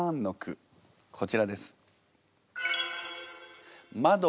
こちらです。